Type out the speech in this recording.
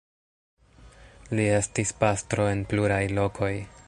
Li estis pastro en pluraj lokoj.